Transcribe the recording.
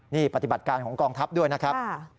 นี่ปฏิบัติการของกองทัพด้วยนะครับ